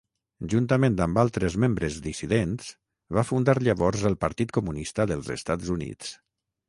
Juntament amb altres membres dissidents, va fundar llavors el Partit Comunista dels Estats Units.